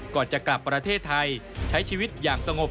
ก่อนจะกลับประเทศไทยใช้ชีวิตอย่างสงบ